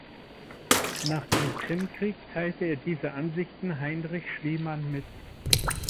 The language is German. Nach dem Krimkrieg teilte er diese Ansichten Heinrich Schliemann mit.